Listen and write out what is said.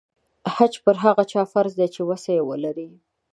حج پر هغه چا فرض دی چې وسه یې ولري.